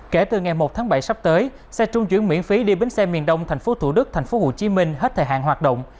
kể từ ngày một tháng bảy sắp tới xe trung chuyển miễn phí đi bến xe miền đông thành phố thủ đức thành phố hồ chí minh hết thời hạn hoạt động